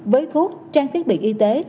với thuốc trang phép bị y tế